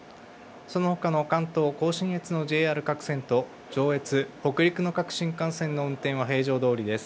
そのほかの関東甲信越のＪＲ各線と上越、北陸の各新幹線の運転は平常どおりです。